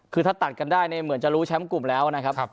คือถ้าตัดกันได้เนี่ยเหมือนจะรู้แชมป์กลุ่มแล้วนะครับ